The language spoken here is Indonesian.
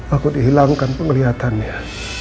aku dihilangkan penglihatannya